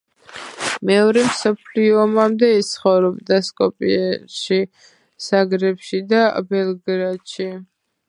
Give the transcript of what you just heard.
მეორე მსოფლიო ომამდე ის ცხოვრობდა სკოპიეში, ზაგრებში და ბელგრადში.